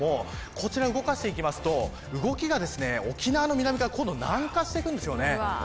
こちら動かしていきますと動きが沖縄の南から、今度は南下してくるんですよね。